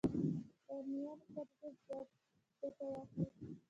د امویانو پر ضد ځواک ګټه واخلي